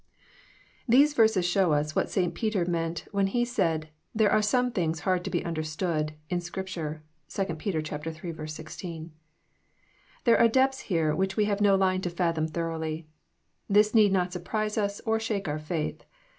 These verses show us what St. Peter meant, when he said, " There are some things hard to be understood " in Scrip tore, (2 Pet. lit. 16.) There are depths here which we have no line to fathom thoroughly. This need not surprise us, or shake our faith.